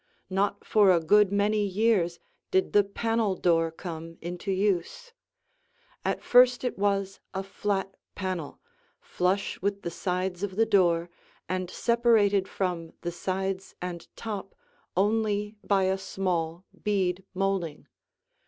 Not for a good many years did the panel door come into use. At first it was a flat panel, flush with the sides of the door and separated from the sides and top only by a small bead molding.